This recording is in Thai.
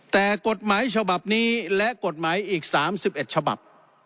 แต่กฎหมายฉบับนี้และกฎหมายอีก๓๑ฉบับ